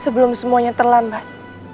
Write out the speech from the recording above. sebelum semuanya terlambat